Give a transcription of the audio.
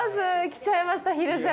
来ちゃいました、蒜山。